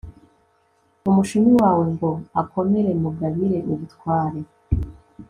umushumi wawe ngo akomere mugabire ubutware